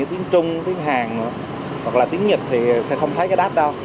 tiếng trung tiếng hàng hoặc là tiếng nhật thì sẽ không thấy cái đát đâu